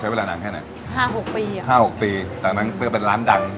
ใช้เวลานานแค่ไหน๕๖ปีจากนั้นเป็นร้านดัง